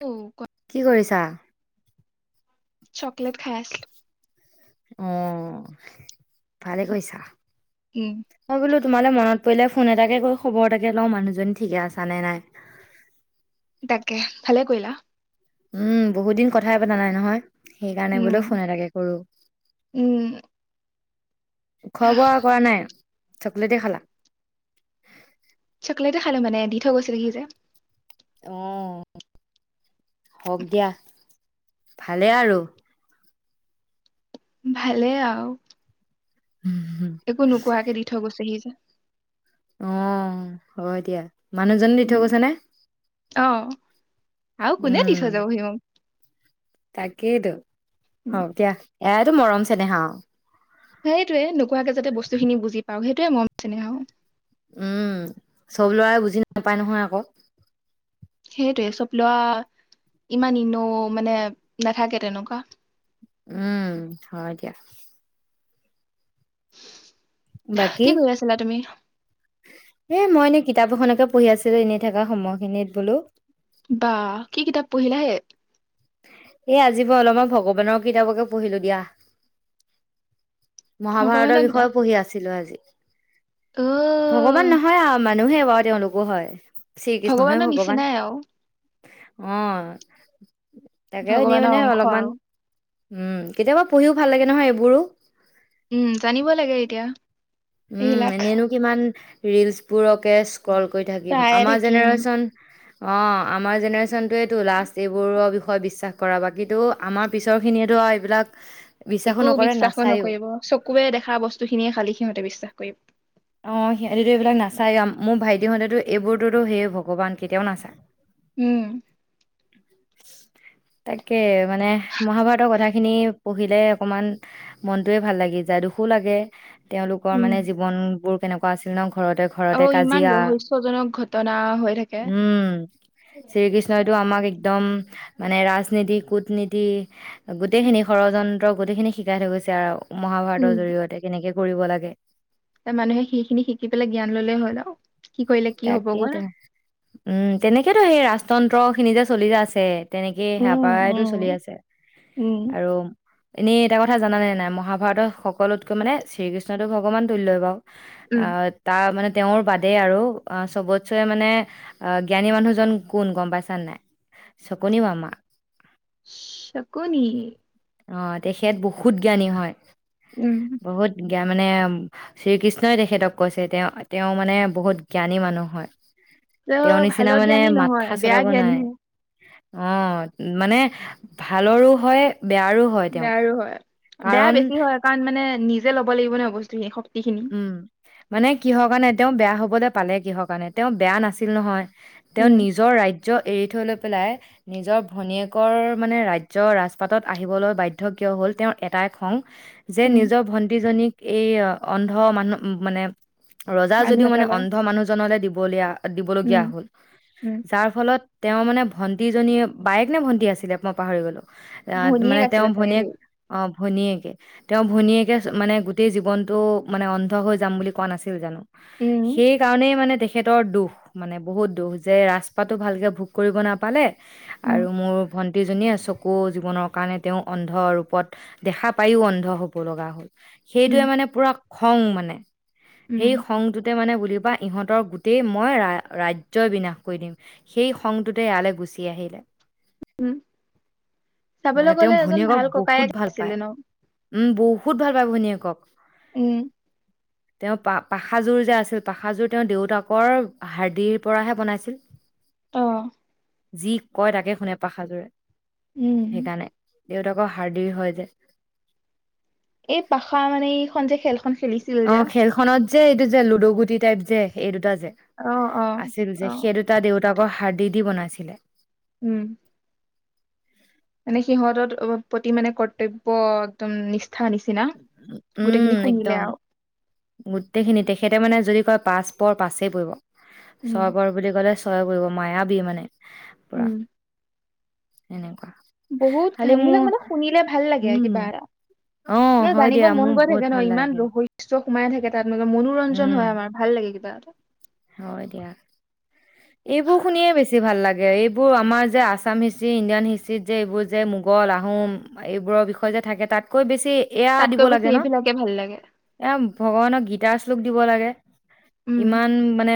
অ কি কৰিছা? চকলেট খাই আছিলো। উম ভালে কৰিছা। উম তোমালে মনত পৰিলে ফোন এটাকে কৰি খবৰ এটাকে লওঁ মানুহজন ঠিকে আছা নে নাই? তাকেহে ভালে কৰিলা উম বহুত দিন কথাই পতা নাই নহয়। সেইকাৰণে উম বোলে ফোন এটাকে কৰো। উম খোৱা বোৱা কৰা নাই চকলেটে খালা চকলেটে খালো মানে দি থৈ গৈছিলে সি যে অহ হওক দিয়া ভালেই আৰু ভালে আও একো নোকোৱাকে দি থৈ গৈছেহি যে উম হব দিয়া মানুহজনে দি থৈ গৈছে নে? অহ আৰু কোনে দি থৈ যাবহি মোক তাকেটো উম হওক দিয়া এয়াতো মৰম- চেনেহ আও সেইটোৱে নোকোৱাকৈ যাতে বস্তুখিনি বুজি পাও সেইটোৱে মৰম-চেনেহ আও উম চব ল'ৰাই বুজি নাপায় নহয় আকৌ সেইটোৱে চব ল'ৰা ইমান ইনো মানে নাথাকে তেনেকুৱা। উম হয় দিয়া [unintelligible] কি কৰি আছিলা তুমি? এহ মই এনে কিতাপ এখনকে পঢ়ি আছিলো এনেই থকা সময়খিনিত বোলো। বাহ কি কিতাপ পঢ়িলা হে? এ আজি মই অলপমান ভগৱানৰ কিতাপকে পঢ়িলো দিয়া। মহাভাৰতৰ ভগৱানৰ কিতাপ বিষয়েও পঢ়ি আছিলো আজি। অ [inaudible] ভগৱান নহয় আৰু আমাৰ নুহে বাওঁ তেওঁলোকো হয়। শ্ৰীকৃষ্ণহে ভগৱানৰ ভগৱান নিচিনাই আও। অ'। তাকে, এনে ভগৱানৰ মানে অংশ অলপমান। আৰু উম, কেতিয়াবা পঢ়িও ভাল লাগে নহয় এইবোৰো। উম, জানিব লাগে এতিয়া। উম, এইবিলাক এনেইনো কিমান ৰিলছবোৰক কে স্ক্ৰল কৰি থাকিম, চায়ে আমাৰ থাকিম। জেনেৰেচন অ', আমাৰ জেনেৰেশ্যন টো এইটো, লাষ্ট এইবোৰৰ বিষয়ে বিশ্বাস কৰাবাক কিন্তু, আমাৰ পিছৰ খিনিয়েতো আও এই বিলাক একো বিশ্বাসো নকৰিব, চকুৱে দেখা বস্তু খিনিয়ে খালী সিহঁতে বিশ্বাস [unintelligible] অ', সিহঁতিটো এইবিলাক নাচায়ে, মোৰ ভাইটিহঁতেতো এইবোৰতো হে ভগৱান, কেতিয়াও নাচায়। উম। তাকে মানে, মহাভাৰতৰ কথাখিনি পঢ়িলে অকমান মনটোয়ে ভাল লাগি যায়, দুখো লাগে। তেওঁলোকৰ উম মানে জীৱন বোৰ কেনেকুৱা আছিল ন ঘৰতে ঘৰতে আৰু ইমান কাজিয়া, ৰহস্যজনক ঘটনা হৈ থাকে। উম, শ্ৰীকৃষ্ণইটো আমাক একদম মানে, ৰাজনীতি, কূটনীতি গোটেই খিনি ষড়যন্ ত্ৰ, গোটেইখিনি শিকাই থৈ গৈছে আৰু। উম মহাভাৰতৰ জৰিয়তে কেনেকে কৰিব লাগে। মানুহে সেইখিনি শিকি পেলাই জ্ঞান ল'লেই হ'ল আও। তাকেইতো, উম, তেনেকেইতো সেই ৰাস্ তন্ত্ৰখিনি যে, চলি যে আছে তেনেকেই, সেয়া উম পৰাইটো উম চলি আছে, উম। আৰু এনেই এটা কথা জানানে নাই মহাভাৰতৰ সকলোতকৈ মানে শ্ৰীকৃষ্ণটোক ভগৱান তুল্যই বাৰু অ উম তাৰ মানে তেওঁৰ বাদে আৰু চবতচে মানে জ্ঞানী মানুহজন কোন গম পাইছা নাই সকুনি মামা সকুনি অ তেখেত বহুত জ্ঞানী হয় উম এতিয়া মানে শ্ৰীকৃষ্ণই তেখেতক কৈছে তেওঁ তেওঁ মানে বহুত জ্ঞানী মানুহ হয় অ তেওঁৰ ভাল নিচিনা মানে জ্ঞানী নহয় মাথা বেয়া চলাব নাই জ্ঞানীহে অ মানে ভালৰো হয় বেয়াৰো হয় তেওঁ বেয়াৰো হয় বেয়া কাৰণ বেছি হয় কাৰণ মানে নিজে ল'ব লাগিব নহয় বস্তুখিনি শক্তিখিনি। উম মানে কিহৰ কাৰণে তেওঁ বেয়া হ'ব দে পালে কিহৰ কাৰণে তেওঁ বেয়া নাছিল নহয় তেওঁ উম। নিজৰ ৰাজ্য ৰাজ্য এৰি থৈ লৈ পেলাই নিজৰ ভনীয়েকৰ মানে ৰাজ্যৰ ৰাজপাটত আহিবলৈ বাধ্য কিয় হ'ল তেওঁৰ এটাই খং যে উম নিজৰ ভন্টি জনীক এইয়া অন্ধ মানুহ মানে ৰজা মানুহ যদিও এটা মানে লয় অন্ধ মানুহ জনলৈ দিব বলীয়া উম। দিবলগীয়া হ'ল উম, যাৰ ফলত তেওঁ মানে ভণ্টীজনীয়ে বায়েক নে ভণ্টী আছিলে মই পাহৰি গলো অহ ভনীয়েক মানে তেওঁ আছিলে চাগে ভনীয়েক দেই অ ভনীয়েকে তেওঁ ভনীয়েকে মানে গোটেই জীৱনটো অ মানে অন্ধ হৈ যাম বুলি কোৱা নাছিল জানো উম। সেইকাৰণেই মানে দেখি তেখেতৰ দুখ মানে বহুত দুখ যে ৰাছ পাতটো ভালকৈ ভোগ কৰিব নাপালে উম, আৰু মোৰ ভন্টি গোটেইজনীয়ে চকু জীৱনৰ কাৰণে তেওঁ অন্ধ ৰূপত দেখা পায়ো অন্ধ হ'ব লগা হ'ল উম, সেইটোয়ে মানে খং মানে উম, সেই খংটোতে মানে বুলিব বা ইহঁতৰ গোটেই মই ৰাজ্যয়েই বিনাশ কৰি দিম সেই খংটোতে ইয়ালৈ গুচি আহিলে মানে চাবলৈ তেওঁ গলে এজন ভনীয়েকক ভাল বহুত ককায়েক ভাল পায় আছিলে ন উম বহুত ভাল পায় ভনীয়েকক উম তেওঁ পা পাখাযোৰ যে আছিল পাখাযোৰ তেওঁ দেউতাকৰ হাৰ্দিৰ পৰাহে বনাইছিল অ যি কয় তাকে শুনে পাখাজোৰে উম, সেইকাৰণে দেউতাকৰ হাৰ্দিৰ হয় যে এই ভাষা মানে সন্দেহে হেনো খন খোলিছিল অ যে খেলখনত যে এইটো যে লুডু গুটি টাইপ যে এই দুটা অ', অ', আছিল যে অ', সেই দুটা দেউতাকৰ সাৰ দি দি বনাইছিলে উম মানে সিহঁতৰ প্ৰতি মানে কৰ্তব্য একদম নি উম একদম আৰু গোটেইখিনি তেখেতে মানে যদি য় পাছ পৰ পাছেই পৰিব উম, চবৰ বুলি ক'লে চহ কৰিব মায়াবি মানে পুৰা উম। [unintelligible] বহুত খালি কাহী বিলাক মোৰ মানে শুনিলে ভাল লাগে আৰু উম কিবা এটা। অ নহ হয় জানিব দিয়া মন মোৰ গৈ বহুত থাকে ন ভাল ইমান লাগে ৰহৈ টো সোমাই থাকে তাত। [unintelligible] মনোৰঞ্জন উম হয় আমাৰ ভাল লাগে কিবা [unintelligible] হয় দিয়া এইবোৰ শুনিয়ে বেছি ভাল লাগে এইবোৰ আমাৰ যে আছাম হিষ্ট্ৰী ইণ্ডিয়ান হিষ্ট্ৰিত যে এইবোৰ যে মোগল আহোম এইবোৰৰ বিষয়ে যে থাকে তাতকৈ বেছি এয়া দিব তাতকৈ বেছি লাগে ন? এইবিলাকে ভাল লাগে। এয়া ভগৱানৰ গীত। [unintelligible] দিব লাগে। উম ইমান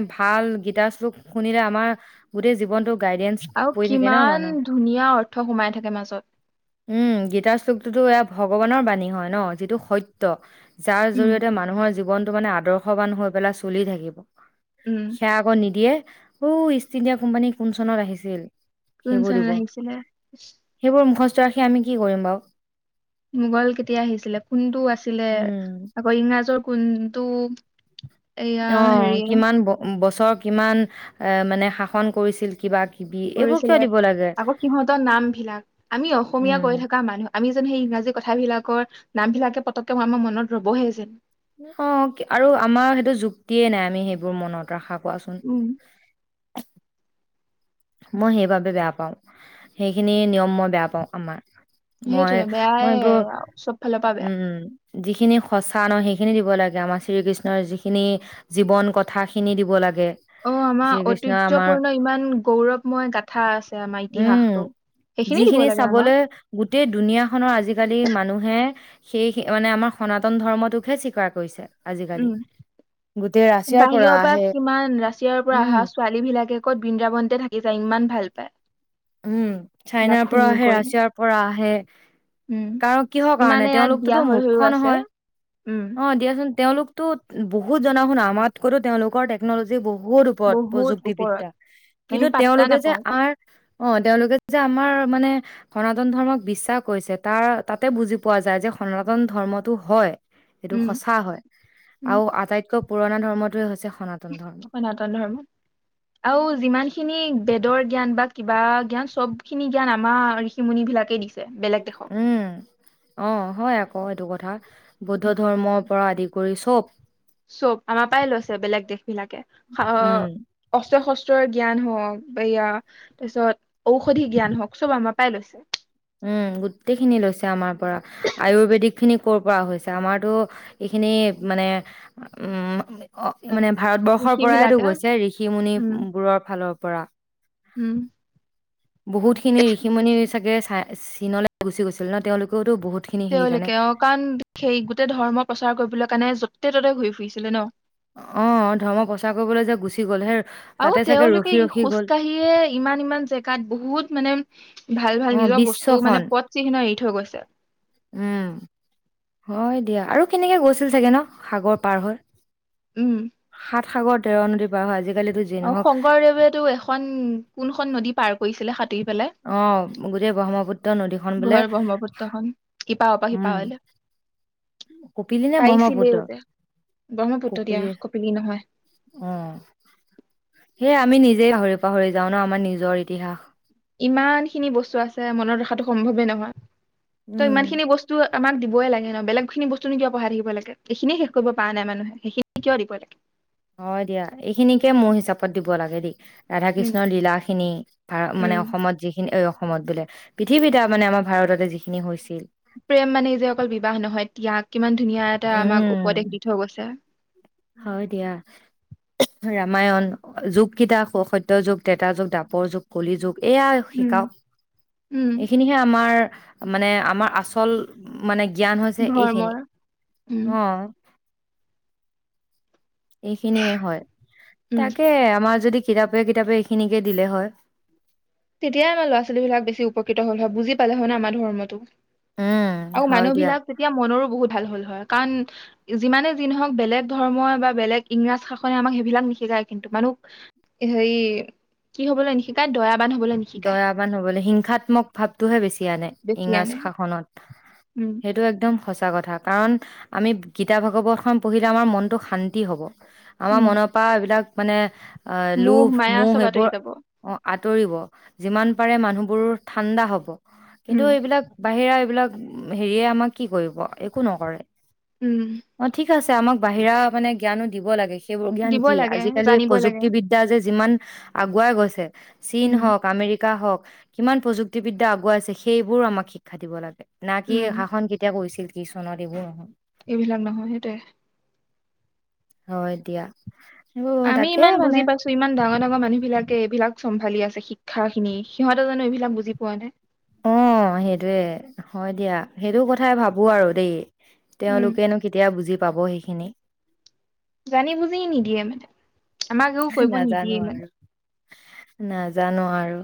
[unintelligible] ভাল গীতাৰ শ্লোক শুনিলে আমাৰ গোটেই জীৱনতোক গাইডেন্স আৰু পৰি থাকে ন কিমান মানু্হ। ধুনীয়া অৰ্থ সোমাই থাকে মাজত উম। গীতাৰ শ্লোক টো- টো [unintelligible] ভগৱানৰ বাণী হয় ন যিটো সত্য। যাৰ উম জৰিয়তে মানুহৰ জীৱন টো মানে আদৰ্শবান হৈ পেলাই চলি থাকিব। উম সেয়া আকৌ নিদিয়ে। অ ইষ্ট ইণ্ডিয়া কোম্পানী কোন চনত আহিছিল? কোন সেইবোৰ চনত দিব। আনিছিলে? [unintelligible] আমি কি কৰিম বাৰু? মোগল কেতিয়া আহিছিলে, কোনটো আছিলে উম, আকৌ ইংৰাজৰ কোনটো এয়া অ' হেৰি কিমান ব - বছ [unintelligible] কিমান মানে শাসন কৰিছিল কিবা কিবি এইবোৰ কিয় কৰিছিলে। দিব লাগে? আকৌ সিহঁতৰ নাম বিলাক আমি অসমীয়া উম, কৈ থকা মানুহ আমি যেন সেই ইংৰাজী কথাবিলাকৰ নামবিলাকে পটতকে ম-ম মনত ৰ'বহে যেন। অ আৰু আমাৰ সেইটো যুক্তিয়ে নাই আমি সেইবোৰ মনত ৰাখা। কোৱাচোন? উম মই সেইবাবে বেয়া পাওঁ সেইখিনি নিয়ম মই বেয়া পাওঁ আমাৰ। মই সেইটোয়ে - বেয়াই মই এইবোৰ চব ফালৰ পৰা বেয়া উম যিখিনি সঁচা ন সেইখিনি দিব লাগে আমাৰ শ্ৰীকৃষ্ণৰ যিখিনি জীৱন কথাখিনি দিব লাগে। অ আমাৰ শ্ৰীকৃষ্ণই আমাৰ ঐতিহ্যপূৰ্ণ ইমান গৌৰৱ উম সেইখিনি দিব যিখিনি লাগে আমাক চাবলৈ গোটেই দুুনীয়াখনৰ আজিকালি মানুহে সেই [unintelligible] মানে আমাৰ সনাতন ধৰ্মটোকহে স্বীকাৰ কৰিছে। আজিকালি গোটেই উ'ম ৰাছিয়াৰ বাহিৰৰ পৰা আহে কিমান ৰাছিয়াৰ পৰা উম অহা ছোৱালী বিলাকে। কত বৃন্দাবনে থাকি যায় ইমান ভাল পায়। উম চাইনাৰ এইবিলাক পৰা শুনি আহে কৰি ৰাছিয়াৰ পৰা আহে। হয় উম [unintelligible] কাৰ কিহৰ কাৰণে ইমানে ইয়াত বিয়া তেওঁলোকতোতো হৈ মূৰ্খ হৈও আছে নহয় উম অ দিয়াচোন তেওঁলোকতো। বহুত জনা শুন আমাত কৰো তেওঁলোকৰ টেকনলজি বহুত। বহুত ওপৰত বহুত ওপৰত প্ৰযুক্তিবিদ্যা আমি কিন্তু পাত্তা তেওঁলোকে যে নাপাওঁ আমাৰ। অ তেওঁলোকে যে আমাৰ মানে সনাতন ধৰ্মক বিশ্বাস কৰিছে তাৰ তাতে বুজি পোৱা যায় যে সনাতন ধৰ্মটো হয়। এইটো উম সচা হয় উম আৰু আটাইতকৈ। আটাইতকৈ পুৰণা ধৰ্মটোৱেই হৈছে। সনাতন ধৰ্ম। সনাতন ধৰ্ম আৰু যিমানখিনি। বেদৰ জ্ঞান বা কিবা জ্ঞান সব খিনি জ্ঞান আমাৰ ঋষি মুনি বিলাকে দিছে। বেলেগ দেশক উ'ম অ হয় আকৌ। অ এইটো কথা। বৌদ্ধ ধৰ্মৰ পৰা আদি। কৰি চব। চব আমাৰ পৰাই লৈছে বেলেগ দেশ বিলাকে উম, অস্ত্ৰ শস্ত্ৰৰ জ্ঞান হওক। ইয়া তাৰপিছত ঔষধি জ্ঞান হওক চব আমাৰ পাই লৈছে। গোটেইখিনি লৈছে আমাৰ পৰা আয়ুৰ্বেদিকখিনি ক'ৰ পৰা হৈছে আমাৰতো এইখিনি মানে [inaudible] মানে ঋষি ভাৰতবৰ্ষৰ পৰাইতো বিলাকে গৈছে ঋষি মুনি উম বোৰৰ ফালৰ পৰা। পৰা। উ'ম। বহুত খিনি ঋষিমণি চাগে চ চীনলৈ গুচি গৈছিল ন তেওঁলোকও। তেওঁলোকে অ কাৰণ সেই গোটেই ধৰ্ম প্ৰচাৰ কৰিবলৈ কাৰণে য। যতে ততে ঘূৰি ফুৰিছিলে ন। অ ধৰ্ম প্ৰচাৰ কৰিবলৈ যে গুচি গ'ল হে। আৰু তেওঁলোকে ই খোজ কঢ়িয়ে ইমান ইমান জেগাত বহুত মানে ভাল অ ভাল নিজৰ বস্তু বিশ্বখন মানে পথ চিহ্ন। থৈ গৈছে। উ'ম। অ দিয়া আৰু কেনেকে গৈছিল চাগে ন সাগৰ পাৰ হৈ। উ'ম। সাত সাগৰ তেৰ নদী পাৰ হয় আজি। অ শংকৰদেৱেতটো এখন কোনখন নদী পাৰ কৰিছিলে। সাঁতুৰি পেলাই অ গোটেই ব্ৰহ্মপুত্ৰ নদীখন। বোলে ঘৰ ব্ৰহ্মপুত্ৰখন ইপাৰৰ উম শিপাৰৰ। কপিলি নে ব্ৰহ্মপুত্ৰ ব্ৰহ্মপুত্ৰ দিয়া কপিলি নহয় আহ সেয়ে আমি নিজেই পাহৰি পাহৰি যাওঁ ন আমাৰ নিজৰ ইতিহাস ইমান খিনি বস্তু আছে মনত ৰখাতটো সম্ভৱেই নহয় তই উম ইমান খিনি বস্তু আমাক দিবই লাগে ন বেলেগখিনি বস্তুনো কিয় পঢ়াই থাকিব লাগে এইখিনিয় শেষ কৰিব পৰা নাই মানুহে সেইখিনি কিয় দিব লাগে হয় দিয়া এইখিনিকে মোৰ হিচাপত দিব লাগে দেই ৰাধা উম কৃষ্ণৰ লীলা খিনি ভাৰ উম মানে অসমত যিখিনি অসমত বোলে পৃথিৱীতে মানে আমাৰ ভাৰততে যিখিনি হৈছিল প্ৰেম মানে এই যে অকল বিবাহ নহয় ত্যাগ কিমান ধুনীয়া এটা আমাক উম উপদেশ দি থৈ গৈছে হয় দিয়া ৰামায়ণ যুগ কেইটা সত্য যুগ তেতাৰ যুগ দাপৰ যুগ কলি যুগ এয়াই উম শিকাওক উম এইখিনিহে আমাৰ মানে আমাৰ আচল মানে জ্ঞান হৈছে এইখিনি ধৰ্মৰ উম অ এইখিনিয়ে হয় উম তাকে আমাৰ যদি কিতাপে কিতাপে এইখিনিকে দিলে হয় তেতিয়াই আমাৰ ল'ৰা ছোৱালী বিলাক বেছি উপকৃত হ'ল হয় বুজি পালে হয় ন আমাৰ ধৰ্মটো উম আৰু হয় মানুহ দিয়া বিলাক যেতিয়া মনৰ বহুত ভাল হল হয় কাৰণ যিমানে যি নহওক বেলেগ ধৰ্ম বা বেলেগ ইংৰাজ শাসনে আমাক সেইবিলাক নিশিকায় কিন্তু মানুহ হেৰি কি হবলৈ নিশিকায় দয়া দয়াাবান হবলৈ শিক্ষাত্মক ভাৱটোহে বেছি বেছি ইংৰাজ আনে শাসনত উম সেইটো একদম সচ সঁচা কথা কাৰণ আমি গীতা ভাগৱতখন পঢ়িলে আমাৰ মনটো শান্তি হ'ব আমাৰ উম মনৰ পৰা এইবিলাক মানে অ লোভ মায়া মোহ চব আঁতৰি সেইবোৰ যাব অ তৌৰিব যিমান পাৰে মানুহবোৰ ঠাণ্ডা হব কিন্তু উম এইবিলাক বাহিৰা এইবিলাক হেৰিয়ে আমাক কি কৰিব একো নকৰে উম অ থিক আছে আমাক বাহিৰা মানে জ্ঞানো দিব লাগে সেইবোৰ জ্ঞান দিব কি লাগে আজিকালি জানিব লাগে প্ৰযুক্তিবিদ্যা যে যিমান আগুৱাই গৈছে চীন উম হওক মেকা হওক কিমান প্ৰযুক্তিবিদ্যা আগুৱাইছে সেইবোৰো আমাক শিক্ষা দিব লাগে না কি উম শাসন কেতিয়া কৰিছিল কি চনৰ দিব এই বিলাক নহয় হেতুৱে অ এতিয়া আমি ইমান বুজি পাইছো ইমান ডাঙৰ তেনেকুৱা মানুহ বিলাকে এইবিলাক চম্ভালি আছে শিক্ষা খিনি সিহতে জানো এইবিলাক বুজি পোৱা নাই অ সেইটোৱে হয় দিয়া সেইটো কথাই ভাবো আৰু দেই উম তেওঁলোকেনো কেতিয়া বুজি পাব সেই খিনি জানি বুজি নিদিয়ে মানে আমাকেও কৰিব নাজানো নিদিয়ে মানে আৰু নাজানো আৰু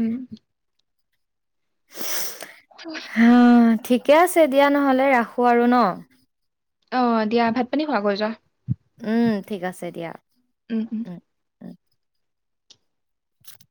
উম হা ঠিক ঠিকে আছে দিয়া নহলে ৰাখোঁ আৰু ন অ দিয়া ভাত পানী খোৱা গৈ যোৱা উম ঠিক আছে দিয়া উম উম হম